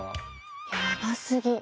ヤバすぎ！